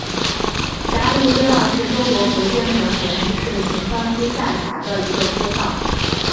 霞林街道是中国福建省莆田市城厢区下辖的一个街道。